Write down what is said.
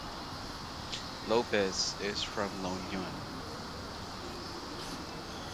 Lopez is from La Union.